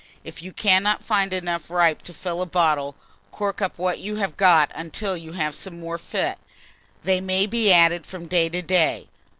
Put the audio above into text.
If you cannot find enough ripe to fill a bottle, cork up what you have got until you have some more fit: they may be added from day to day.